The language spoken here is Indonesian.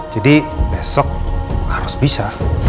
jadi besok harus bisa